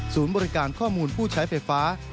บริการข้อมูลผู้ใช้ไฟฟ้า